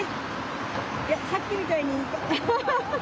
いやさっきみたいににこっ。